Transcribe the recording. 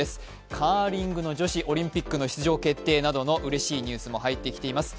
カーリングの女子オリンピックの出場決定などうれしいニュースも入ってきています。